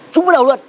chúng với đầu luôn